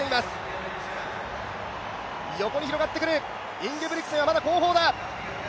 インゲブリクセンはまだ後方だ。